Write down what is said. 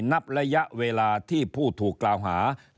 นับระยะเวลาที่ผู้ถูกกล่าวหา